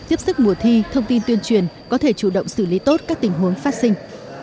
tiếp sức mùa thi thông tin tuyên truyền có thể chủ động xử lý tốt các tình huống phát sinh